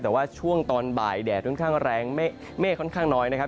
แต่ว่าช่วงตอนบ่ายแดดค่อนข้างแรงเมฆค่อนข้างน้อยนะครับ